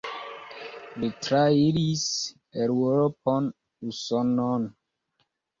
Li trairis Eŭropon, Usonon.